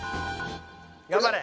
「頑張れ！」